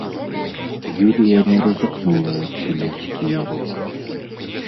Юлія не рызыкнула адчыняць дзверы.